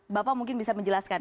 bapak mungkin bisa menjelaskan